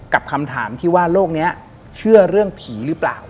คำถามที่ว่าโลกนี้เชื่อเรื่องผีหรือเปล่า